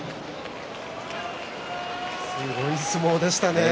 すごい相撲でしたね。